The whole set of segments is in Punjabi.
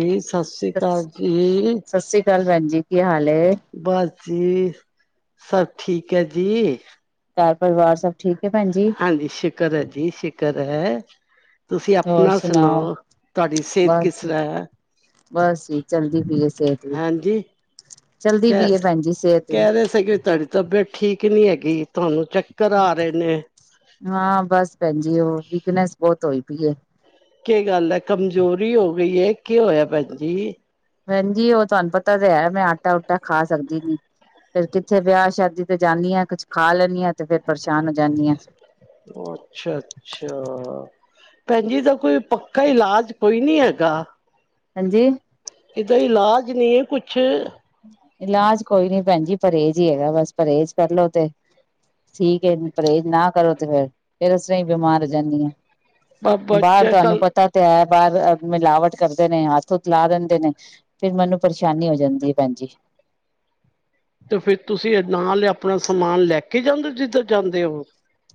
ਜੀ ਸਤਿ ਸੀ੍ਂ ਅਕਾਲ ਸਤਿ ਜੀ ਸ੍ਰੀ ਅਕਾਲ ਭੈਣ ਜੀ ਕੀ ਹਾਲ ਹੈ ਬਸ ਜੀ ਸਭ ਠੀਕ ਐ ਜੀ ਘਰ ਪਰਿਵਾਰ ਸਭ ਠੀਕ ਐ ਭੈਣ ਜੀ ਹਾਂਜੀ ਸ਼ੁਕਰ ਐ ਜੀ ਸ਼ੁਕਰ ਐ ਤੁਸੀਂ ਆਪਣਾ ਸੁਣਾਓ ਤੁਹਾਡੀ ਸਿਹਤ ਕਿਸ ਬਸ ਤਰ੍ਹਾਂ ਐ ਬਸ ਵੀ ਚਲਦੀ ਪੀਏ ਸਿਹਤ ਵੀ ਹਾਂਜੀ ਚਲਦੀ ਪੀਏ ਭੈਣ ਜ ਸਿਹਤ ਵੀ ਕਿਸ ਤੁਹਾਡੀ ਤਬੀਅਤ ਠੀਕ ਨਹੀਂ ਹੈਗੀ ਤੁਹਾਨੂੰ ਚੱਕਰ ਆ ਰਹੇ ਨੇ ਹਾਂ ਬਸ ਭੈਣ ਜੀ ਉਹ ਵੀਕਨੈਸ ਬਹੁਤ ਹੋਈ ਪਈ ਐ ਕੀ ਗੱਲ ਏ ਕਮਜ਼ੋਰੀ ਹੋ ਗਈ ਏ ਕੀ ਹੋਇਆ ਭੈਣ ਜੀ ਭੈਣ ਜੀ ਉਹ ਤੁਹਾਨੂੰ ਪਤਾ ਤਾਂ ਹੈ ਮੈਂ ਆਟਾ ਊਟਾ ਖਾ ਸਕਦੀ ਨੀ ਫੇਰ ਕਿੱਥੇ ਵਿਆਹ ਸ਼ਾਦੀ ਤੇ ਜਾਂਦੀ ਆਂ ਕੁਛ ਖਾ ਲੈਂਦੀ ਹਾਂ ਤੇ ਫੇਰ ਪਰੇਸ਼ਾਨ ਹੋ ਜਾਂਦੀ ਆਂ ਓ ਅੱਛਾ ਅੱਛਾ ਭੈਜੀ ਜੀ ਇਹਦਾ ਕੋਈ ਪੱਕਾ ਇਲਾਜ ਕੋਈ ਨੀ ਹੈਗਾ? ਹਾਂਜੀ? ਇਹਦਾ ਇਲਾਜ ਨਹੀਂ ਐ ਕੁਛ? ਇਲਾਜ ਕੋਈ ਨੀ ਏ ਭੈਣ ਜੀ ਪਰਹੇਜ਼ ਹੀ ਹੈਗਾ ਬਸ ਪਰਹੇਜ ਕਰਲੋ ਤੇ ਠੀਕ ਹੈ ਪਰਹੇਜ਼ ਨਾ ਕਰੋ ਤੇ ਫੇਰ ਫੇਰ ਉਸ ਤਰ੍ਹਾਂ ਹੀ ਬਿਮਾਰ ਹੋ ਜਾਨੀ ਆਂ। ਬਾਹਰ ਬੱਚੇ ਤੁਹਾਨੂੰ ਕੱਲ ਪਤਾ ਤੈ ਬਾਹਾਰ ਮਿਲਾਵਟ ਕਰਦੇ ਨੇ ਹੱਥ ਹੂਥ ਲਾ ਦਿੰਦੇ ਨੇ ਫੇਰ ਮੈਨੂੰ ਪਰੇਸ਼ਾਨੀ ਹੋ ਜਾਂਦੀ ਏ ਭੈਣ ਜੀ ਤੇ ਫੇਰ ਤੁਸੀਂ ਨਾਲ ਆਪਣਾ ਸਮਾਨ ਲੈ ਕੇ ਜਾਂਦੇ ਹੋ ਜਿੱਧਰ ਜਾਂਦੇ ਹੋ?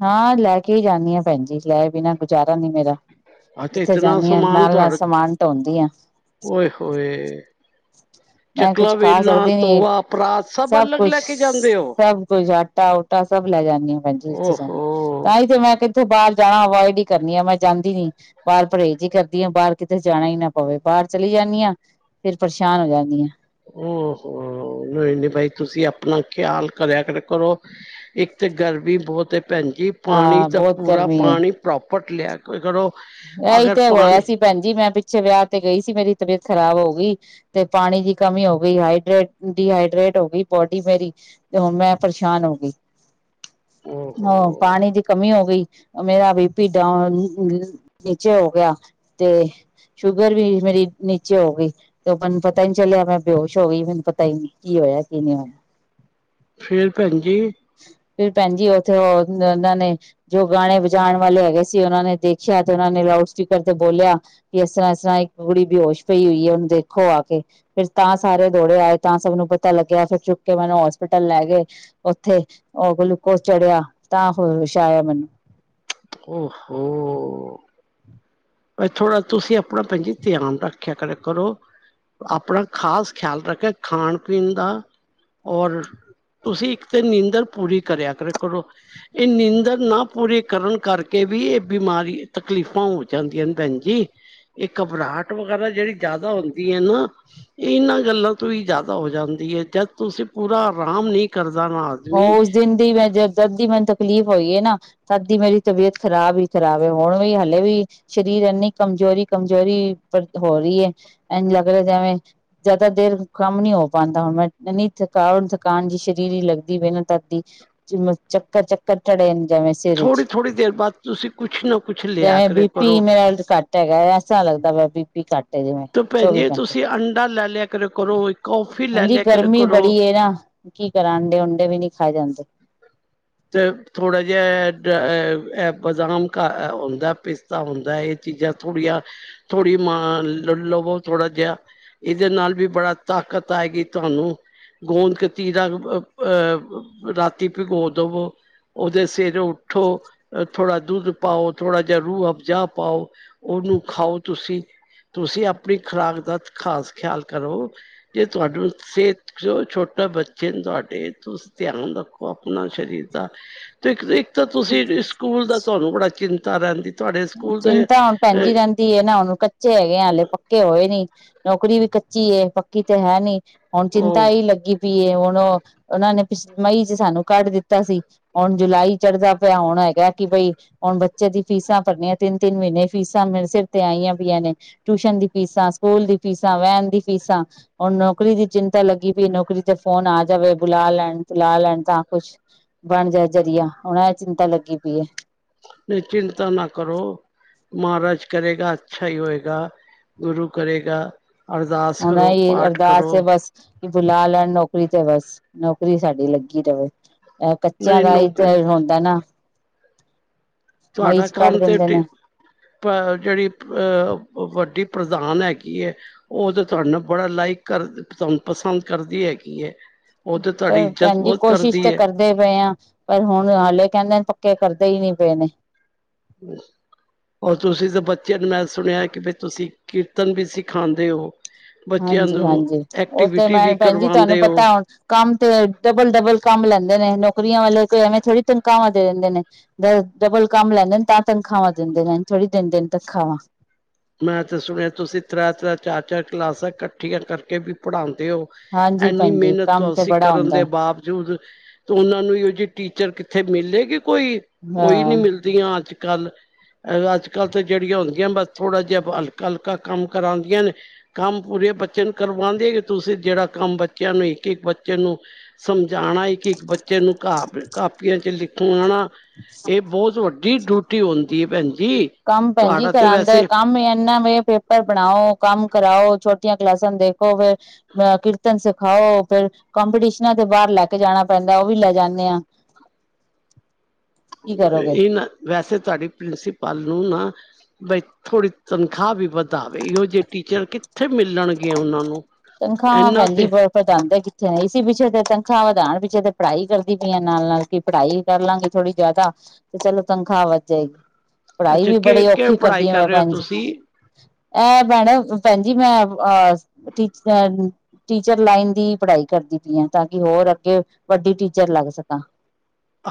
ਹਾਂ ਲੈ ਕੇ ਹੀ ਜਾਂਦੀ ਹਾਂ ਭੈਣ ਜੀ ਲੈ ਬਿਨਾਂ ਗੁਜ਼ਾਰਾ ਨੀ ਮੇਰਾ ਆ ਤੇ ਜਿੱਥੇ ਇਤਨਾ ਜਾਂਦੀ ਹਾਂ ਸਮਾਨ ਨਾਲ ਨਾਲ ਤੁਹਾਡਾ ਸਮਾਨ ਢੋਂਦੀ ਆ ਓਏ ਹੋਏ [unintelligible] ਮੈਂ ਚਕਲਾ ਕੁਛ ਖਾ ਵੇਲਣਾ ਸਕਦੀ ਨੀ ਤੋਵਾ ਪਰਾਤ ਸਭ ਅਲੱਗ ਲੈ ਕੁਛ ਕੇ ਜਾਂਦੇ ਹੋ ਸਭ ਕੁੱਛ ਆਟਾ ਉ ਸਭ ਲੈ ਜਾਂਦੀ ਹਾਂ ਭੈਣ ਜੀ ਜਿਥੇ ਜਾਣੀ ਓਹੋ ਤਾਂ ਹੀ ਮੈਂ ਕ ਤ ਬਾਹਰ ਜਾਣਾ ਅਵੋਇਡ ਹੀ ਕਰਨੀ ਆ ਮੈਂ ਜਾਂਦੀ ਨੀ। ਬਾਹਰ ਪਰਹੇਜ਼ ਹੀ ਕਰਦੀ ਹਾ ਬਾਹਰ ਕਿਤੇ ਜਾਣਾ ਹੀ ਨਾ ਪਵੇ ਬਾਹਰ ਚਲੀ ਜਾਂਦੀ ਹਾਂ ਫੇਰ ਪਰੇਸ਼ਾਨ ਹੋ ਜਾਂਦੀ [unintelligible] ਓਹੋ ਨਹੀਂ ਨੀ ਬਾਈ ਤੁਸੀਂ ਆਪਣਾ ਖਿਆਲ ਕਰਿਆ ਕਰ ਕਰੋ ਇੱਕ ਤੇ ਗਰਮੀ ਬਹੁਤ ਐ ਭੈਣ ਜੀ ਪਾਣੀ ਹਾਂ ਤਾ ਬਹੁਤ ਪੂਰਾ ਗਰਮੀ ਹੈ। ਪਾਣੀ ਪ੍ਰੋਪ [unintelligible] ਲਿਆ ਕੋ ਕਰੋ ਇਹੀ ਅਗਰ ਤੇ ਹੋਇਆ ਪਾਣੀ ਸੀ ਭੈਣ ਜੀ ਮੈਂ ਪਿੱਛੇ ਵਿਆਹ ਤੇ ਗਈ ਸੀ ਮੇਰੀ ਤਬੀਅਤ ਖਰਾਬ ਹੋ ਗਈ ਤੇ ਪਾਣੀ ਦੀ ਕਮੀ ਹੋ ਗਈ ਹਾਈਡਰੇਟ ਡੀਹਾਈਡਰੇਟ ਹੋ ਗਈ ਬੋਡੀ ਮੇਰੀ। ਤੇ ਮੈਂ ਪਰੇਸ਼ਾਨ ਹੋ ਗਈ ਹਾਂ ਓਹੋ ਪਾਣੀ ਦੀ ਕਮੀ ਹੋ ਗਈ ਮੇਰਾ ਬੀ ਪੀ ਡਾਂਓਨ ਨੀਚੇ ਹੋ ਗਿਆ ਤੇ ਸ਼ੂਗਰ ਵੀ ਮੇਰੀ ਨੀਚੇ ਹੋ ਗਈ। ਤੇ ਮੈਨੂੰ ਪਤਾ ਨੀ ਚੱਲਿਆ ਮੈਂ ਬੇਹੋਸ਼ ਹੋ ਗਈ ਮੈਨੂੰ ਪਤਾ ਹੀ ਨਹੀਂ ਕੀ ਹੋਇਆ ਕੀ ਨਹੀਂ ਹੋਇਆ। ਫੇਰ ਭੈਣ ਜੀ? ਫੇਰ ਭੈਣ ਜੀ ਉੱਥੇ ਉਹਨਾਂ ਨੇ ਜੋ ਗਾਣੇ ਵਜਾਉਣ ਵਾਲੇ ਹੈਗੇ ਸੀ ਉਹਨਾਂ ਨੇ ਦੇਖਿਆ ਤੇ ਉਹਨਾਂ ਨੇ ਲਾਊਡ ਸਪੀਕਰ ਤੇ ਬੋਲਿਆ ਕਿ ਏਸਤਰ੍ਹਾਂ-ਏਸਤਰ੍ਹਾਂ ਇੱਕ ਕੁੜੀ ਬੇਹੋਸ਼ ਪਈ ਹੋਈ ਏ। ਔਨੂੰ ਦੇਖੋ ਆ ਕੇ। ਫੇਰ ਤਾਂ ਸਾਰੇ ਦੌੜੇ ਆਏ ਤਾਂ ਸਭ ਨੂੰ ਪਤਾ ਲੱਗਿਆ ਫੇਰ ਚੁੱਕ ਕੇ ਮੈਨੂੰ ਹੋਸਪਿਟਲ ਲੈ ਗਏ। ਔਥੇ ਔ ਗੁਲੂਕੋਸ ਚੜਿਆ ਤਾਂ ਹੋੁਸ਼ ਆਯਾ ਮੈਨੂੰ। ਔ-ਹੋ। [inaudible] ਬਈ ਥੋੜ੍ਹਾ ਤੁਸੀਂ ਆਪਣਾ ਭੈਣ ਜੀ ਧਿਆਨ ਰੱਖਿਆ ਕਰ ਕਰੋ। ਆਪਣਾ ਖ਼ਾਸ ਖਿਆਲ ਰੱਖੇ ਖਾਣ-ਪੀਣ ਦਾ ਔਰ ਤੁਸੀਂ ਇੱਕ ਤੇ ਨੀਂਦਰ ਪੂਰੀ ਕਰਿਆ ਕਰ ਕਰੋ ਏ ਨੀਂਦਰ ਨਾ ਪੂਰੀ ਕਰਨ ਕਰਕੇ ਵੀ ਏ ਬਿਮਾਰੀ ਤਕਲੀਫ਼ਾਂ ਹੋ ਜਾਂਦੀਆਂ ਨੇ ਭੈਣ ਜੀ। ਏ ਘਬਰਾਹਟ ਵਗੈਰਾ ਜਿਹੜੀ ਜ਼ਿਆਦਾ ਹੁੰਦੀ ਏ ਨਾ ਏਨਾਂ ਗੱਲਾਂ ਤੋਂ ਈ ਜ਼ਿਆਦਾ ਹੋ ਜਾਂਦੀ ਏ, ਜਦ ਤੁਸੀਂ ਪੂਰਾ ਆਰਾਮ ਨਹੀਂ ਕਰਦਾ ਵਾਂ। ਔ ਉਸ ਦਿਨ ਦੀ ਮੈਂ ਜ ਜਦ ਦੀ ਮੈਨੂੰ ਤਕਲੀਫ਼ ਹੋਈ ਏ ਨਾ ਤਦ ਦੀ ਮੇਰੀ ਤਬੀਅਤ ਖਰਾਬ ਈ ਖਰਾਬ ਏ। ਹੁਣ ਵੀ ਹਲੇ ਵੀ ਸਰੀਰ ਏਨੀ ਕਮਜ਼ੋਰੀ-ਕਮਜ਼ੋਰੀ ਪ ਹੋ ਰਹੀ ਏ। ਐਨਜ ਲੱਗ ਰਿਹਾ ਜੈਵੇਂ ਜ਼ਿਆਦਾ ਦੇਰ ਹੁਨ ਕੰਮ ਨੀ ਹੋ ਪਾਂਦਾ, ਹੁਣ ਮੈਂ ਏਨੀ ਥਕਾਵਟ ਥਕਾਨ ਜੀ ਸ਼ਰੀਰ ਜੀ ਲਗ ਮੈਨੂੰ ਤਦ ਦੀ ਜਿਵੇਂ ਚੱਕਰ-ਚੱਕਰ ਚੜੇ ਨੇ ਜੈਂਵੇਂ ਥੋੜ੍ਹੀ-ਥੋੜ੍ਹੀ ਦੇਰ ਬਾਦ ਤੁਸੀਂ ਕੁਛ ਨਾ ਕੁਛ ਲਿਆ ਕਰੇ ਕਰੋ। [unintelligible] ਟ ਹੈਗਾ ਐਸਾ ਲੱਗਦਾ ਪਯਾ ਬੀ ਕੱਟ ਏ ਜਿਵੇਂ ਤੇ ਭੈਣ ਚੌਵੀ ਜੀ ਘੰਟੇ। ਤੁਸੀਂ ਅੰਡਾ ਲੈ ਲਿਆ ਕਰਿਆ ਕਰੋ, ਕੌਫੀ ਲੈ ਏਨੀ ਲਿਆ ਕਰਿਆ ਗਰਮੀ ਕਰੋ। ਬੜੀ ਏ ਨਾ। ਕੀ ਕਰਾਂ? ਅੰਡੇ ਉੰਡੇ ਵੀ ਨੀ ਖਾਏ ਜਾਂਦੇ। ਤੇ ਥੋੜ੍ਹਾ ਜਿਹਾ ਅ ਅ ਐ ਬਦਾਮ ਕ ਅ ਹੁੰਦਾ ਪਿਸ ਤਾਂ ਹੁੰਦਾ ਏ ਚੀਜ਼ਾਂ ਥੋੜੀਆਂ ਥੋੜੀ ਮ ਲਲਵੋ ਥੋੜਾ ਜਿਹਾ। ਈਦੇ ਨਾਲ ਵੀ ਬੜਾ ਤਾਕਤ ਆਏਗੀ ਤੁਹਾਨੂੰ। ਗੋਂਦ ਕਤੀਰਾ ਅਬ ਅ ਅ ਅਬ ਰਾਤੀ ਭਿਗੋ ਦਵੋ। ਔਦੇ ਸੇਰੇ ਉਠੋ ਥੋੜਾ ਦੁੱਧ ਪਾਓ, ਥੋੜ੍ਹਾ ਜਿਹਾ ਰੂਹ-ਅਫਜਾ ਪਾਓ ਓਨੂੰ ਖਾਓ ਤੁਸੀ। ਤੁਸੀ ਆਪਣੀ ਖੁਰਾਕ ਦਾ ਖ਼ਾਸ ਖਿਆਲ ਕਰੋ। ਜੇ ਤੁਹਾਡੂ ਸੇਤ ਚ' ਛੋਟਾ ਬੱਚੇ ਨੇ ਤਾਡੇ ਤੁਸੀ ਧਿਆਨ ਰੱਖੋ ਅਪਣਾ। ਸਰੀਰ ਦਾ। ਤੇ ਇਕ ਇੱਕ ਤੇ ਤੁਸੀ ਸਕੂਲ ਦਾ ਤੁਹਾਨੂੰ ਬੜਾ ਚਿੰਤਾ ਰਹਿੰਦੀ ਤੁਹਾਡੇ ਸਕੂਲ ਦਾ ਅ ਕੀ ਏਨਾ ਹੁਨ ਕੱਚੇ ਹੈਗੇ ਆ ਹਾਲੇ, ਪੱਕੇ ਹੋਏ ਨੀ, ਨੌਕਰੀ ਵੀ ਕੱਚੀ ਏ, ਪੱਕੀ ਤੇ ਹੈ ਨੀ। ਹੁਣ ਚਿੰਤਾ ਉਹ ਐਈ ਲੱਗੀ ਪਈ ਏ ਹੁਣ ਔ ਓਨਾਂ ਨੇ ਪਿਛ ਮਈ ਚ' ਸਾਨੂੰ ਕੱਢ ਦਿੱਤਾ ਸੀ। ਹੁਣ ਜੁਲਾਈ ਚੜਦਾ ਪਿਆ ਹੁਣ ਹੈਗਾ ਕਿ ਬਈ ਹੁਣ ਬੱਚੇ ਦੀ ਫੀਸਾਂ ਭਰਨੀਆਂ ਤਿੰਨ-ਤਿੰਨ ਮਹੀਨੇ ਫੀਸਾਂ ਮੇਰੇ ਸਿਰ ਤੇ ਆਈਆਂ ਪਈਆਂ ਨੇ। ਟਿਊਸ਼ਨ ਦੀ ਫੀਸਾਂ, ਸਕੂਲ ਦੀ ਫੀਸਾਂ, ਵੈਣ ਦੀ ਫੀਸਾਂ। ਹੋਣ ਨੌਕਰੀ ਦੀ ਚਿੰਤਾ ਲੱਗੀ ਪਈ, ਨੌਕਰੀ ਤੇ ਫੋਨ ਆ ਜਾਵੇ ਬੁਲਾ ਲੈਣ, ਤੁਲਾ ਲੈਣ ਤਾਂ ਕੁਛ ਬਣ ਜਾਏ ਜ਼ਰੀਆ, ਹੁਨ ਐ ਚਿੰਤਾ ਲੱਗੀ ਪੀ ਏ। ਨਈ, ਚਿੰਤਾ ਨਾ ਕਰੋ। ਮਹਾਰਾਜ ਕਰੇਗਾ, ਅੱਛਾ ਈ ਹੋਏਗਾ। ਗੁਰੂ ਕਰੇਗਾ। ਅਰਦਾਸ ਹੁਣ ਕਰੋ, ਇਹ ਪਾਠ ਅਰਦਾਸ ਕਰੋ। ਹੈ ਬਸ ਕਿ ਬੁਲਾ ਲੈਣ ਨੌਕਰੀ ਤੇ ਬਸ ਨੌਕਰੀ ਸਾਡੀ ਲੱਗੀ ਰਵੇ। ਅ ਕੱਚਿਆਂ ਨਹੀਂ ਦਾ ਐਈ ਨੌਕਰੀ ਤੇ ਹੁੰਦਾ ਨਾ। ਮਈ ਤੁਹਾਡਾ ਚ ਕੱਢ ਕੰਮ ਤੇ ਦਿੰਦੇ ਟੀ ਨੇ ਪਰ ਜੇੜੀ ਪ ਵੱਡੀ ਪਰਧਾਨ ਹੈਗੀ ਏ ਓ ਤੇ ਤੁਹਾਡੇ ਨਾਲ ਬੜਾ ਲਾਈਕ ਕਰ ਤੁਹਾਨੂੰ ਪਸੰਦ ਕਰਦੀ ਹੈਗੀ ਏ। ਓ ਤੇ ਤਵਾਡੀ ਇੱਜਤ ਬੋਤ ਕਰਦੀ ਏ। ਫੇਰ ਗਏ ਹਾਂ, ਪਰ ਹੁਣ ਹਾਲੇ ਕੈਂਦੇ ਨੇ ਪੱਕੇ ਕਰਦੇ ਈ ਨੀ ਪਏ ਨੇ। [unintelligible] ਔਰ ਤੁਸੀ ਤੇ ਬੱਚੇਆਂ ਨੂੰ ਮੈਂ ਸੁਣਿਆ ਕਿ ਬੀ ਤੁਸੀ ਕੀਰਤਨ ਵੀ ਸਿਖਾਂਦੇ ਓ। ਹਾਂਜੀ-ਹਾਂਜੀ। ਓ ਤੇ ਮੈਂ ਵੀ ਭੈਨ ਜੀ ਤੁਹਾਨੂੰ ਕਰਵਾਉਂਦੇ ਪਤਾ ਹੋ ਐ ਹੁਣ ਕੰਮ ਤੇ, ਡਬਲ ਡਬਲ ਕੰਮ ਲੈਂਦੇ ਨੇ, ਨੌਕਰੀਆਂ ਵਾਲੇ ਕੋਈ ਐਵੇਂ ਥੋੜੀ ਤਨਖਾਵਾਂ ਦੇ ਦੇਂਦੇ ਨੇ। ਡ ਡਬਲ ਕੰਮ ਲੈਂਦੇ ਨੇ ਤਾਂ ਤਨਖਾਵਾਂ ਦਿੰਦੇ ਨੇ ਐਂਜ ਥੋੜੀ ਦਿੰਦੇ ਨੇ ਤਨਖਾਵਾਂ। ਮੈਂ ਤੇ ਸੁਣਿਆ ਤੁਸੀ ਤਰੈ-ਤਰੈ, ਚਾਰ-ਚਾਰ ਕਲਾਸਾਂ ਕੱਠੀਆਂ ਕਰਕੇ ਵੀ ਪੜ੍ਹਾਂਦੇ ਓ। ਹਾਂਜੀ ਏਨੀ ਭੈਣ ਜੀ ਮੇਹਨਤ ਕੰਮ ਤੇ ਤੋਸੀ ਬੜਾ ਕਰਨ ਹੁੰਦਾ ਦੇ ਬਾਵਜੂਦ ਤੇ ਓਨਾਂ ਨੂੰ ਇਓ ਜਿ ਟੀਚਰ ਕਿੱਥੇ ਮਿਲੇਗੀ ਕੋਈ? ਹੈ। ਕੋਈ ਹਾਂ ਨੀ ਮਿਲ ਦੀਆਂ ਅੱਜ-ਕੱਲ। ਅੱਜ-ਕੱਲ ਤੇ ਜੇੜੀਆਂ ਹੁੰਦੀਆਂ ਬਸ ਥੋੜਾ ਜਿਆ ਹਲਕਾ-ਹਲਕਾ ਕੰਮ ਕਰਾਂਦੀਆਂ ਨੇ ਕੰਮ ਪੂਰੇ ਬੱਚੇ ਨੂੰ ਕਰਵਾਂਂਦੀਆਂ ਨੀ। ਤੁਸੀ ਜੇੜਾ ਕੰਮ ਬੱਚੇਆਂ ਨੂੰ ਇੱਕ-ਇੱਕ ਬੱਚੇ ਨੂੰ ਸਮਝਾਣਾ ਇਕ-ਇੱਕ ਬੱਚੇ ਨੂੰ, ਕਾਪ ਕਾਪੀਆਂ ਚ ਲਿਖਵਾਣਾ ਏ ਬੋਤ ਵੱਡੀ ਡੂਟੀ ਹੁੰਦੀ ਏ, ਭੈਣ ਜੀ। ਕੰਮ ਭੈਣਜੀ ਤੁਹਾਡਾ ਤੇ ਕਰਾਂਦੇ, ਵੈਸੇ ਕੰਮ ਐਨਾ ਵੇ ਪੇ ਪਰ ਬਣਾਓ, ਕੰਮ ਕਰਾਓ, ਛੋਟੀਆਂ ਕਲਾਸਾਂ ਨ ਦੇਖੋ ਫੇਰ, ਅਂ ਕੀਰਤਨ ਸਿਖਾਓ ਫੇਰ ਕੰਪੀਟੀਸ਼ਨਾਂ ਤੇ ਬਾਰ ਲੈ ਕੇ ਜਾਣਾ ਪੈਂਦਾ, ਓ ਵੀ ਲੈ ਜਾਨੇ ਆਂ। ਏ ਨਾ ਵੈਸੇ ਤਵਾਡੀ ਪ੍ਰਿੰਸੀਪਲ ਨੂੰ ਨਾ ਬਈ ਥੋੜ੍ਹੀ ਤਨਖਾਹ ਵੀ ਵਧਾਵੇ। ਇਹੋ ਜੇ ਟੀਚਰ ਕਿੱਥੇ ਮਿਲਣਗੇ ਓਨਾਂ ਨੂੰ? ਤਨਖਾਹਾਂ ਇਹਨਾਂ ਭੈਂਜੀ ਤੇ ਬਸ ਵਧਾਂਦੇ ਕਿੱਥੇ ਨੇ? ਇਸੀ ਪਿੱਛੇ ਤੇ ਤਨਖਾ ਵਧਾਣ ਪਿੱਛੇ ਤੇ ਪੜ੍ਹਾਈ ਕਰਦੀ ਪੀਆਂ ਨਾਲ-ਨਾਲ ਕਿ ਪੜ੍ਹਾਈ ਕਰ ਲਾਂਗੇ ਥੋੜ੍ਹੀ ਜਾਦਾ, ਤੇ ਚਲੋ ਤਨਖਾਹ ਵੱਧ ਜਾਏਗੀ। ਪੜ੍ਹਾਈ ਅੱਛਾ ਵੀ ਕਿ ਬੜੀ ਕਿਵੇਂ ਔਖੀ ਪੜ੍ਹਾਈ ਕਰਦੀ ਹਾਂ ਕਰ ਮੈਂ, ਰਹੇ ਹੋ ਭੈਣ ਜੀ ਤੁਸੀਂ ਇਹ ਮੈਡਮ, ਭੈਣ ਜੀ, ਮੈਂ ਟੀਚਰਾਂ ਟੀਚਰ ਲਾਈਨ ਦੀ ਪੜ੍ਹਾਈ ਕਰਦੀ ਪਈ ਹਾਂ, ਤਾਂਕਿ ਹੋਰ ਅੱਗੇ ਵੱਡੀ ਟੀਚਰ ਲੱਗ ਸਕਾਂ।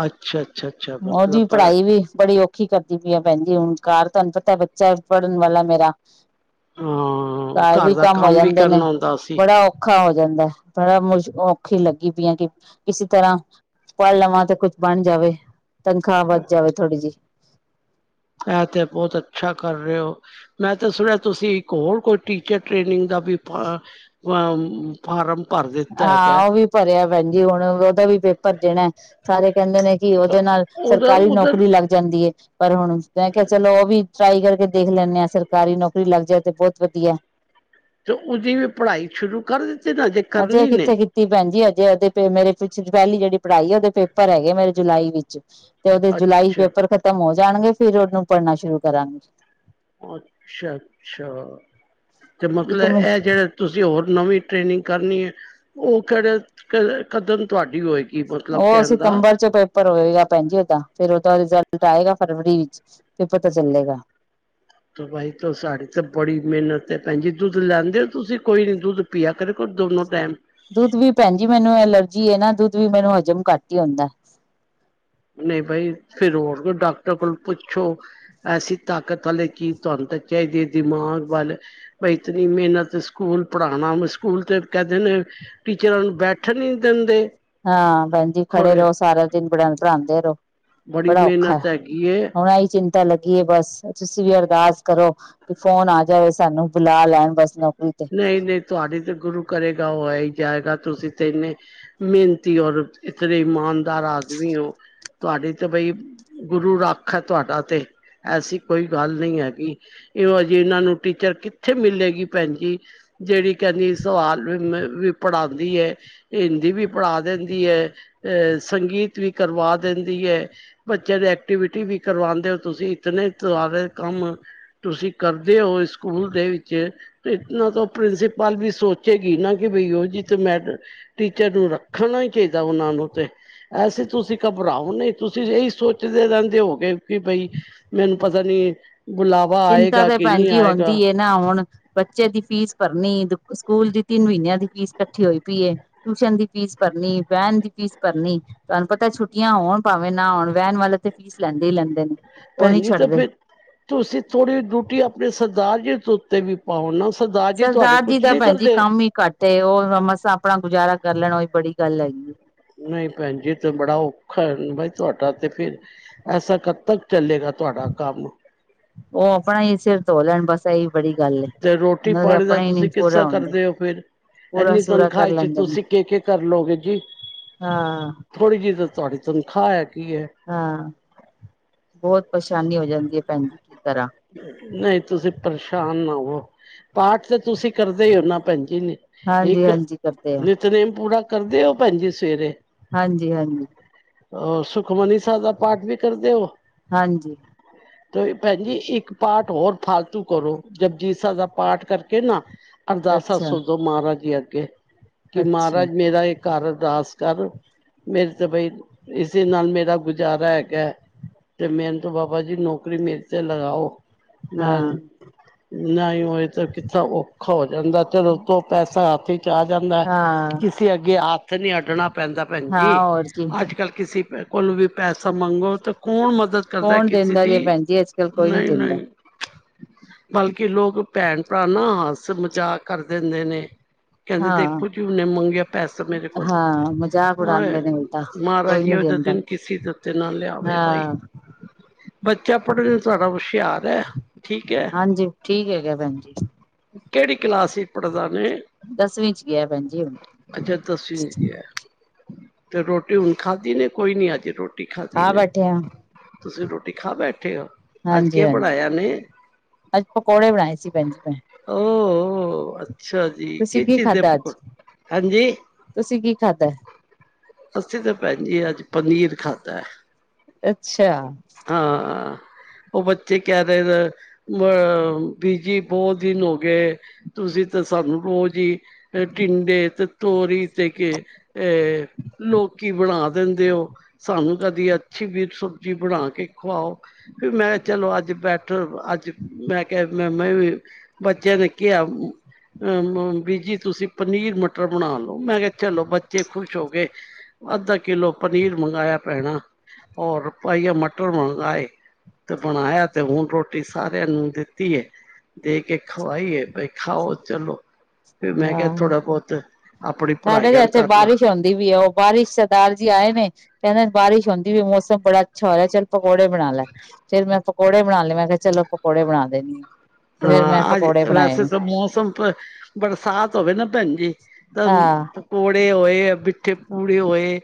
ਅੱਛਾ ਅੱਛਾ ਅੱਛਾ ਓਦੀ ਮਤਲਬ ਪਰ ਪੜ੍ਹਾਈ ਵੀ ਬੜੀ ਔਖ ਕੀ ਕਰਦੀ ਪਈ ਆ ਭੈਂਜੀ ਹੁਣ, ਘਰ ਤਾਨੂੰ ਪਤੈ ਬੱਚਾ ਪੜ੍ਹਨ ਵਾਲਾ, ਮੇਰਾ ਹਾਂ, ਘਰ ਵੀ ਦਾ ਹੋ ਕੰਮ ਵੀ ਜਾਂਦੇ ਨੇ ਕਰਨਾ ਹੁੰਦਾ ਅਸੀ ਬੜਾ ਔਖਾ ਹੋ ਜਾਂਦੈ, ਬੜਾ ਮੁਸ਼ਕ ਔਖੀ ਲੱਗੀ ਪਈ ਆਂ ਕਿ ਕਿਸੀ ਤਰ੍ਹਾਂ ਪੜ੍ਹ ਲਵਾਂ ਤੇ ਕੁੱਛ ਬਣ ਜਾਵੇ, ਤਨਖਾਹ ਵੱਧ ਜਾਵੇ ਥੋੜ੍ਹੀ ਜਈ। ਏ ਤੇ ਬੋਤ ਅੱਛਾ ਕਰ ਰਹੇ ਹੋ ਮੈਂ ਤੇ ਸੁਣਿਐ ਤੁਸੀਂ ਇੱਕ ਹੋਰ ਕੋਈ ਟੀਚਰ ਟ੍ਰੇਨਿੰਗ ਦਾ ਵੀ ਪਾ ਫਾਰਮ ਭਰ ਦਿੱਤਾ ਹੈਗੈ ਭਰਿਐ ਭੈਣਜੀ ਹੁਣ ਦਾ ਵੀ ਪੇਪਰ ਦੇਣੈ, ਸਾਰੇ ਕੈਂਦੇ ਨੇ ਜੀ ਓਦੇ ਨਾਲ ਉਹਦਾ ਸਰਕਾਰੀ ਉਧਰ ਨੌਕਰੀ ਲੱਗ ਜਾਂਦੀ ਏ। ਪਰ ਹੁਣ, ਮੈਂ ਕਿਹਾ ਚਲੋ ਉਹ ਵੀ ਟਰਾਈ ਕਰਕੇ ਦੇਖ ਲੈਂਨੇ ਆਾਂ। ਸਰਕਾਰੀ ਨੌਕਰੀ ਲੱਗ ਜਾਏ ਤੇ ਬਹੁਤ ਵਧੀਐ ਤੇ, ਉਹਦੀ ਵੀ ਪੜ੍ਹਾਈ ਸ਼ੁਰੂ ਕਰ ਦਿੱਤੀ? ਨਾ ਜੇ ਅਜੇ ਕਰਨੀ ਨੇ ਕਿੱਥੇ ਕੀਤ ਤੀ ਭੈਣ ਜੀ, ਅਜੇ, ਅਜੇ ਤੇ ਮੇਰੇ ਪਿਛਲ ਪਹਿਲੀ ਜੇੜੀ ਪੜ੍ਹਾਈ ਏ ਓਦੇ ਪੇਪਰ ਹੈਗੇ ਮੇਰੇ ਜੁਲਾਈ ਵਿੱਚ ਤੇ ਓਦੇ ਜੁਲਾਈ ਅੱਛਾ, ਪੇਪਰ ਖ਼ਤਮ ਹੋ ਜਾਣਗੇ ਫਿਰ ਓਨੂੰ ਪੜ੍ਹਨਾ ਸ਼ੁਰੂ ਕਰਾਂਗੀ। ਅੱਛਾ-ਅੱਛਾ, ਤੇ ਇੱਕ ਮਤਲਬ ਏਹ ਜੇੜੇ ਤੁਸੀਂ ਹੋਰ ਨਵੀਂ ਟ੍ਰੇਨਿੰਗ ਕਰਨੀ ਏ, ਓਹ ਕੇੜੇ ਕੇੜ ਕਦਨ ਤਵਾਡੀ ਹੋਏਗੀ? ਮਤਲਬ ਓ ਕਹਿਣ ਦਾ ਸਿਤੰਬਰ ਚ ਪੇਪ ਪੇਪਰ ਹੋਏਗਾ ਭੈਨ ਜੀ ਓਦਾ ਫੇਰ ਓਦਾ ਰਿਜ਼ਲਟ ਆਏਗਾ ਫਰਵਰੀ ਵਿੱਚ ਫੇ ਪਤਾ ਚੱਲੇਗਾ। ਬਾਈ ਤੋ ਸਾਡੀ ਤੇ ਬੜੀ ਮੇਨਤ ਏ ਭੈਣਜੀ ਦੁੱਧ ਲੈਂਦੇ ਓ ਤੁਸੀਂ ਕੋਈ ਨੀ ਦੁੱਧ ਪੀਆ ਕਰੇ ਕੋ ਦੋਨੋ ਟੈਮ ਦੁੱਧ ਵੀ ਭੈਣ ਜੀ ਮੈਨੂੰ ਐਲਰਜੀ ਐ ਨਾ ਦੁੱਧ ਵੀ ਮੈਨੂੰ ਹਜ਼ਮ ਘੱਟ ਈ ਹੋਂਦੈ। ਨਹੀਂ ਬਈ ਫਿਰ ਹੋਰ ਕੋਈ ਡਾਕਟਰ ਕੋਲ ਪੁੱਛੋ। ਐਸੀ ਤਾਕਤ ਵਾਲੇ ਚੀਜ਼ ਤੁਆਨੂੰ ਤੇ ਚਾਈਦੀ ਏ ਦਿਮਾਗ ਵੱਲ ਬ ਇਤਨੀ ਮਿਹਨਤ ਸਕੂਲ ਪੜ੍ਹਾਉਣਾ ਸਕੂਲ ਤੇ ਕੈਦੇ ਨੇ ਟੀਚਰਾਂ ਨੂੰ ਬੈਠਣ ਈ ਨੀ ਦਿੰਦੇ। ਹਾਂ ਬੈਨਜੀ ਖੜੇ ਰਓ ਸਾਰਾ ਦਿਨ ਬੜਿਆਂ ਨੂੰ ਪੜਾਂਦੇ ਰਓ। ਬੜੀ ਬੜਾ ਔਖਾ ਐ ਮਿਹਨਤ ਹੈਗੀ ਏ ਹੁਣ ਐ ਈ ਚਿੰਤਾ ਲੱਗੀ ਐ ਬਸ ਤੁਸੀਂ ਵੀ ਅਰਦਾਸ ਕਰੋ ਕਿ ਫੋਨ ਆ ਜਾਵੇ ਸਾਨੂੰ ਬੁਲਾ ਲੈਣ ਬਸ ਨੌਕਰੀ ਤੇ ਨਈ ਨਈ ਤੁਆਡੀ ਤੇ ਗੁਰੂ ਕਰੇਗਾ ਓ ਆ ਈ ਜਾਏਗਾ ਤੁਸੀਂ ਤੇ ਏਨੇ ਮੇਨਤੀ ਔਰ ਇਤਨੇ ਇਮਾਨਦਾਰ ਆਦਮੀ ਓ ਤੁਹਾਡੀ ਤੇ ਬਈ ਗੁਰੂ ਰੱਖ ਐ ਤੁਆਡਾ ਤੇ ਐਸੀ ਕੋਈ ਗੱਲ ਨਈ ਹੈਗੀ। ਇਓਜੇ ਏਨਾਂ ਨੂੰ ਟੀਚਰ ਕਿੱਥੇ ਮਿਲੇਗੀ ਭੈਣ ਜੀ। ਜੇੜੀ ਕੈਂਦੀ ਸਵਾਲ ਮੀ ਵੀ ਵੀ ਪੜ੍ਹਾਉਂਦੀ ਏ। ਹਿੰਦੀ ਵੀ ਪੜ੍ਹਾ ਦੇਂਦੀ ਐ ਅਹ ਸੰਗੀਤ ਵੀ ਕਰਵਾ ਦੇਂਦੀ ਐ। ਬੱਚਿਆਂ ਦੀ ਐਕਟੀਵਿਟੀ ਵੀ ਕਰਵਾਂਦੇ ਓ ਤੁਸੀਂ ਇਤਨੇ ਤਾਰੇ ਕੰਮ ਤੁਸੀਂ ਕਰਦੇ ਓ ਸਕੂਲ ਦੇ ਵਿੱਚ ਨਾ ਤਾਂ ਪ੍ਰਿੰਸੀਪਲ ਵੀ ਸੋਚੇਗੀ ਨਾ ਕਿ ਬਈ ਓ ਜੀ ਤੇ ਮੈਡ ਟੀਚਰ ਨੂੰ ਰੱਖਣਾ ਈ ਚਾਈਦਾ ਓਨਾਂ ਨੂੰ ਤੇ ਐਸੀ ਤੁਸੀਂ ਘਬਰਾਓ ਨਈ ਤੁਸੀਂ ਤੇ ਏ ਈ ਸੋਚਦੇ ਰੈਂਦੇ ਹੋਗੇ ਕਿ ਬਈ ਮੈਨੂੰ ਪਤਾ ਨੀ ਬੁਲਾਵਾ ਚਿੰਤਾ ਆਏਗਾ ਤਾਂ ਕਿ ਭੈਣ ਨਈ ਜੀ ਆਏਗਾ। ਹੁੰਦੀ ਏ ਨਾ ਹੁਣ ਬੱਚੇ ਦੀ ਫੀਸ ਭਰਨੀ ਸਕੂਲ ਦੀ ਤਿੰਨ ਮਹੀਨਿਆਂ ਦੀ ਫੀਸ ਕੱਠੀ ਹੋਈ ਪਈ ਏ। ਟਿਊਸ਼ਨ ਦੀ ਫੀਸ ਭਰਨੀ ਵੈਨ ਦੀ ਫੀਸ ਭਰਨੀ। ਤਾਨੂੰ ਪਤਾ ਏ ਛੁੱਟੀਆਂ ਹੋਣ ਭਾਵੇਂ ਨਾ ਹੋਣ ਵੈਨ ਵਾਲੇ ਤੇ ਫੀਸ ਲੈਂਦੇ ਈ ਲੈਂਦੇ ਨੇ। ਉਹ ਨੀ ਭੈਨਜੀ ਤਾ ਛੱਡਦੇ ਫਿਰ ਤੁਸੀਂ ਥੋੜੀ ਡਿਉਟੀ ਆਪਣੇ ਸਰਦਾਰ ਜੀ ਤੇ ਵੀ ਪਾਓ ਨਾ ਸਰਦਾਾਰ ਜੀ ਤੁਹਾਡੇ ਸਰਦਾਰ ਕੁਛ ਦਾ ਨੀ ਭੈਣ ਜੀ ਕਰਦੇ? ਕੰਮ ਹੀ ਘੱਟ ਏ ਓ ਮਸਾਂ ਆਪਣਾ ਗੁਜ਼ਾਰਾ ਕਰ ਲੈਣ ਓਈ ਬੜੀ ਗੱਲ ਹੈਗੀ ਏ। ਨਈ ਭੈਣ ਜੀ ਤੇ ਬੜਾ ਔਖਾ ਐ ਬਈ ਤੁਆਡਾ ਤੇ ਫਿਰ ਐਸਾ ਕਦ ਤੱਕ ਚੱਲੇਗਾ ਤੁਆਡਾ ਕੰਮ? ਓ ਆਪਣਾ ਹੀ ਸਿਰ ਧੋ ਲੈਣ ਬਸ ਏ ਈ ਬੜੀ ਗੱਲ ਏ ਤੇ ਰੋਟੀ ਓਨਾਂ ਦੇ ਪਾਣੀ ਆਪਣੇ ਈ ਨਈ ਪੂਰਾ ਹੁੰਦੇ। ਪੂਰਾ ਏਨੀ ਸੂਰਾ ਕਰ ਤਨਖਾਹ ਚ ਲੈਂਦੇ ਨੇ ਤੁਸੀਂ ਕੇ, ਕੇ ਕਰਲੋਗੋ ਜੀ? ਹਾਂ। ਥੋੜ੍ਹੀ ਜੀ ਤੇ ਤੁਆਡੀ ਤਨਖਾਹ ਹੈਗੀ ਐ। ਹਾਂ, ਬੌਤ ਪਰੇਸ਼ਾਨੀ ਹੋ ਜਾਂਦੀ ਐ ਭੈਣ ਜੀ, ਕੀ ਕਰਾਂ? ਨਈ ਤੁਸੀਂ ਪਰੇਸ਼ਾਨ ਨਾ ਹੋਵੋ, ਪਾਠ ਤੇ ਤੁਸੀਂ ਕਰਦੇ ਈ ਔ ਨਾ ਭੈਣਜੀ ਨੇ ਹਾਂਜੀ ਇੱਕ ਹਾਂਜੀ ਕਰਦੇ ਆ ਨਿਤਨੇਮ ਪੂਰਾ ਕਰਦੇ ਓ ਭੈਣ ਜੀ ਸਵੇਰੇ? ਹਾਂਜੀ-ਹਾਂਜੀ। ਓ ਸੁਖਮਨੀ ਸਾਬ ਦਾ ਪਾਠ ਵੀ ਕਰਦੇ ਔ? ਹਾਂਜੀ। ਤੋ ਭੈਣਜੀ ਇੱਕ ਇੱਕ ਪਾਠ ਹੋਰ ਫਾਲਤੂ ਕਰੋ ਜਬਜੀ ਸਾਬ ਦਾ ਪਾਠ ਕਰਕੇ ਨਾ ਅਰਦਾਸਾ ਅੱਛਾ ਸੋਜੋ। ਮਹਾਰਾਜ ਜੀ ਅੱਗੇ ਕਿ ਅੱਛਾ ਮਹਾਰਾਜ ਮੇਰਾ ਇੱਕ ਘਰ ਅਰਦਾਸ ਕਰ ਮੇਰੇ ਤੇ ਬਈ ਇਸੀ ਨਾਲ ਮੇਰਾ ਗੁਜ਼ਾਰਾ ਹੈਗਾ। ਤੇ ਮੈਨੂੰ ਤੋਂ ਬਾਬਾ ਜੀ ਨੌਕਰੀ ਮੇਰੇ ਤੇ ਲਗਾਓ ਮੈਂ ਹਾਂ ਨਾ ਉਹੀ ਤੇ ਕਿੱਥਾ ਔਖਾ ਹੋ ਜਾਂਦਾ ਚਲੋ ਦੋ ਪੈਸਾ ਹੱਥ ਚ ਆ ਜਾਂਦਾ। ਹਾਂ ਕਿਸੇ ਅੱਗੇ ਹੱਥ ਨਹੀਂ ਅੱਡਣਾ ਪੈਂਦਾ ਭੈਣ ਹਾਂ ਜੀ ਹੋਰ ਕੀ ਅੱਜ ਕੱਲ ਕਿਸੇ ਕੋਲ ਵੀ ਪੈਸਾ ਮੰਗੋ ਤੇ ਕੌਣ ਮਦਦ ਕਰਦਾ ਕੌਣ ਕਿਸੇ ਦਿੰਦਾ ਜੇ ਦੀ ਭੈਣ ਜੀ, ਅੱਜ ਕੱਲ ਕੋਈ ਨੀ ਨਹੀਂ ਦਿੰਦਾ। ਨਹੀਂ ਬਲਕਿ ਲੋਕ ਭੈਣ ਭਰਾ ਨਾ ਹੱਸ ਮਜ਼ਾਕ ਕਰ ਦਿੰਦੇ ਨੇ। ਕਹਿੰਦੇ ਹਾਂ ਦੇਖੋ ਜੀ ਉਹਨੇ ਮੰਗਿਆ ਪੈਸਾ ਮੇਰੇ ਕੋਲੋ ਹਾਂ ਮਜ਼ਾਕ ਹਾਂ ਉਡਾਉਂਦੇ ਨੇ ਉਲਟਾ ਮਹਾਰਾਜ ਕੋਈ ਜੀ ਨੀ ਇਹੋ ਜਿਹੇ ਦਿੰਦਾ ਦਿਨ ਕਿਸੇ ਤੇ ਓਤੇ ਨਾ ਲਿਆਵੇ ਭਾਈ ਹਾਂ ਬੱਚਾ ਪੜ੍ਹਨ ਨੂੰ ਤੁਹਾਡਾ ਹੁਸ਼ਿਆਰ ਹੈ। ਠੀਕ ਹੈ ਹਾਂਜੀ, ਠੀਕ ਹੈਗਾ ਭੈਣ ਜੀ। ਕੇੜੀ ਕਲਾਸ ਚ ਪੜਦਾ ਵੇ? ਦਸਵੀਂ ਚ ਗਿਆ ਭੈਣ ਜੀ ਹੁਣ ਅੱਛਾ ਤੁਸੀਂ ਕਿਹਾ। ਤੇ ਰੋਟੀ ਹੁਣ ਖਾਦੀ ਨੇ ਕੋਈ ਨੀ ਅਜੇ ਰੋਟੀ ਖਾਧੀ ਖਾ ਨੇ। ਬੈਠੇ ਆ ਤੁਸੀਂ ਰੋਟੀ ਖਾ ਬੈਠੇ ਹੋ? ਅੱਜ ਕੇ ਹਾਂਜੀ-ਹਾਂਜੀ, ਬਣਾਇਆ ਨੇ ਅੱਜ ਪਕੌੜੇ ਬਣਾਏ ਸੀ ਭੈਣ ਜੀ ਮੈਂ। ਓ ਹੋ ਅੱਛਾ। ਠੀਕ, ਤੁਸੀਂ ਕਿਸ ਕੀ ਚੀਜ਼ ਦੇ ਖਾਧਾ ਪਕੋ ਅੱਜ ਹਾਂਜੀ? ਤੁਸੀਂ ਕੀ ਖਾਧਾ ਅਸੀਂ ਤੇ ਭੈਣ ਜੀ ਅੱਜ ਪਨੀਰ ਖਾਧਾ। ਅੱਛਾ ਹਾਂ ਉਹ ਬੱਚੇ ਕਹਿ ਰਹੇ ਰ ਅਹ ਬੀਜੀ ਬਹੁਤ ਦਿਨ ਹੋ ਗਏ ਤੁਸੀਂ ਤੇ ਸਾਨੂੰ ਰੋਜ਼ ਹੀ ਤੇ ਟਿੰਡੇ ਤੇ ਤੋਰੀ ਤੇ ਕੇ ਅਹ ਲੋਕੀ ਬਣਾ ਦਿੰਦੇ ਹੋ। ਸਾਨੂੰ ਕਦੀ ਅੱਛੀ ਵੀ ਸਬਜ਼ੀ ਬਣਾ ਕੇ ਖਵਾਓ ਫੇਰ ਮੈਂ ਚਲੋ ਅੱਜ ਬੈਠੋ ਅੱਜ ਮੈਂ ਕਿਹਾ ਮੈਂ-ਮੈਂ ਵੀ ਬੱਚਿਆਂ ਨੇ ਕਿਹਾ ਓਮ ਅ ਬੀਜੀ ਤੁਸੀਂ ਪਨੀਰ ਮਟਰ ਬਣਾ ਲੋ ਮੈਂ ਕਿਹਾ ਚਲੋ ਬੱਚੇ ਖ਼ੁਸ਼ ਹੋ ਗਏ ਅੱਧਾ ਕਿੱਲੋ ਪਨੀਰ ਮੰਗਾਇਆ ਭੈਣਾ ਹੋਰ ਪਾਈਆ ਮਟਰ ਮੰਗਾਏ। ਤੇ ਬਣਾਇਆ ਤੇ ਹੁਣ ਰੋਟੀ ਸਾਰਿਆਂ ਨੂੰ ਦਿੱਤੀ ਏ। ਦੇ ਕੇ ਖਵਾਈਏ ਭਾਈ ਖਾਓ ਚਲੋ। ਫੇਰ ਮੈਂ ਕਿਹਾ ਹਾਂ ਥੋੜਾ ਬੋਹਤ ਆਪਣੀ ਸਾਡੇ ਪੜ੍ਹਾਈ ਤੇ ਆਲ ਇੱਥੇ ਕਰ ਲਾ। ਬਾਰਿਸ਼ ਹੁੰਦੀ ਵੀ ਹੈ ਉਹ ਬਾਰਿਸ਼ ਸਰਦਾਰ ਜੀ ਆਏ ਨੇ ਕਹਿੰਦੇ ਬਾਰਿਸ਼ ਹੁੰਦੀ ਪੀਏ ਮੌਸਮ ਬੜਾ ਅੱਛਾ ਹੋ ਰਿਹਾ ਚੱਲ ਪਕੌੜੇ ਬਣਾ ਲੈ। ਫੇਰ ਮੈਂ ਪਕੌੜੇ ਬਣਾ ਲੈ ਮੈ ਕਿਹਾ ਚਲੋ ਪਕੌੜੇ ਬਣਾ ਦੇਣੀ ਆ। ਤੇ ਫੇਰ ਮੈਂ ਹਾਂ ਅੱਜ ਪਕੌੜੇ ਬਣਾਏ ਵੈਸੇ ਨੇ ਤਾਂ ਮੌਸਮ ਪ ਬਰਸਾਤ ਹੋਵੇ ਨਾ ਭੈਣ ਜੀ ਤਾਂ ਹਾਂ ਪੋੜੇ ਹੋਏ, ਮਿੱਠੇ ਪੂੜੇ ਹੋਏ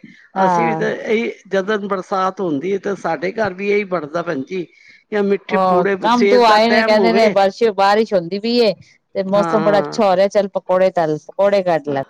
ਅਸੀਂ ਵੀ ਹਾਂ ਤਾਂ ਇਹੀ ਜਦੋ ਬਰਸਾਤ ਹੁੰਦੀ ਹੈ ਤਾਂ ਸਾਡੇ ਘਰ ਵੀ ਏਹੀ ਬੱਣਦਾ ਭੈਣ ਜੀ। ਜਾਂ ਮਿੱਠੇ ਹੋ ਪੂੜੇ ਕੰਮ ਸਵੇਰ ਤੋਂ ਦਾ ਆਏ ਨੇ ਟਾਈਮ ਕਹਿੰਦੇ ਨੇ ਹੋਵੇ ਬਰਸ਼ ਬਾਰਿਸ਼ ਹੁੰਦੀ ਪੀ ਏ। ਤੇ ਹਾਂ ਮੌਸਮ ਬੜਾ ਅੱਛਾ ਹੋ ਰਿਹਾ ਚੱਲ ਪਕੌੜੇ ਤੱਲ ਪਕੌੜੇ ਕਢ ਹਾਂ ਲੈ।